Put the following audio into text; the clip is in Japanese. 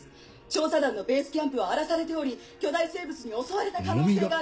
調査団のベースキャンプは荒らされており巨大生物に襲われた可能性が。